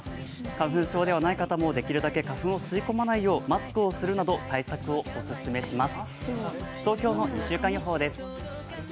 花粉症ではない方もできるだけ花粉を吸い込まないようマスクをするなど、対策をオススメします。